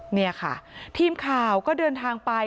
นี่ค่ะทีมข่าวก็เดินทางไป